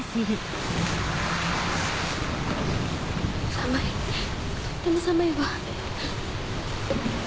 寒いとっても寒いわ。